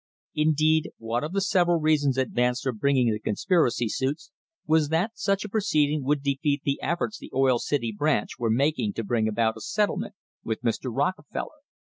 Indeed, one of the several reasons advanced for bringing the conspiracy suits was that such a proceeding would defeat the efforts the Oil City branch were making to bring about a settle ment with Mr. Rockefeller.